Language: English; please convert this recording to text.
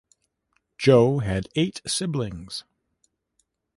Joe had eight siblings.